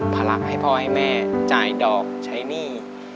พลังให้พ่อให้แม่จ่ายดอกใช้หนี้